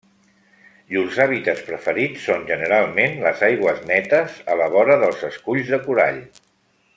Llurs hàbitats preferits són generalment les aigües netes a la vora dels esculls de corall.